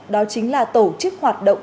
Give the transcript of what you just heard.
đó chính là tổ chức hoạt động